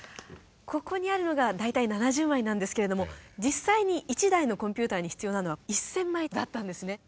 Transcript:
ここにあるのが大体７０枚なんですけれども実際に１台のコンピューターに必要なのは１，０００枚だったんですね。